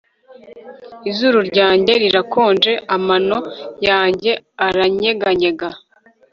Izuru ryanjye rirakonje amano yanjye aranyeganyega